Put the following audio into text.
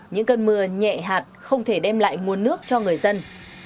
những cơn mưa nhẹ hạt không thể đem lại nguồn nước cho người dân